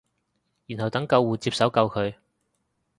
然後等救護接手救佢